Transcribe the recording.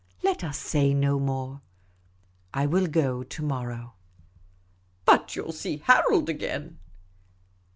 Let us say no more. I will go to morrow." " But you will see Harold again